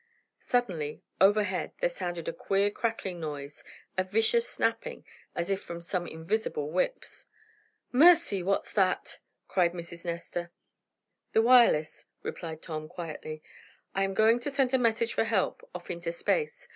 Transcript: Suddenly, overhead, there sounded a queer crackling noise, a vicious, snapping, as if from some invisible whips. "Mercy! What's that?" cried Mrs. Nestor. "The wireless," replied Tom, quietly. "I am going to send a message for help, off into space.